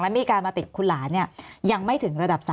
มีการมาติดคุณหลานยังไม่ถึงระดับ๓